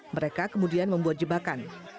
mereka kemudian membuat jebakan